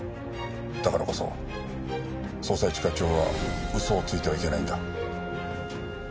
だからこそ捜査一課長は嘘をついてはいけないんだ。